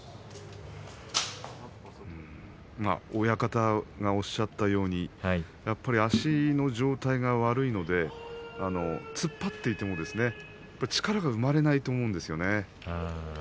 親方がおっしゃったようにやっぱり足の状態が悪いので突っ張っていても力が生まれないと思うんですよね。